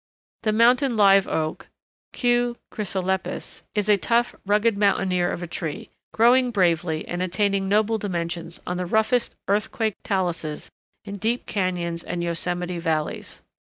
The Mountain Live Oak (Q. Chrysolepis) is a tough, rugged mountaineer of a tree, growing bravely and attaining noble dimensions on the roughest earthquake taluses in deep cañons and yosemite valleys.